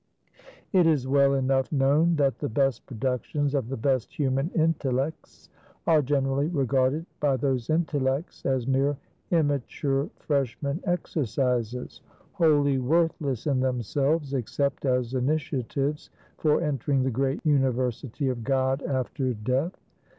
It is well enough known, that the best productions of the best human intellects, are generally regarded by those intellects as mere immature freshman exercises, wholly worthless in themselves, except as initiatives for entering the great University of God after death.